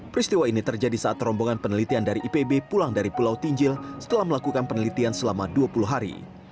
peristiwa ini terjadi saat rombongan penelitian dari ipb pulang dari pulau tinjil setelah melakukan penelitian selama dua puluh hari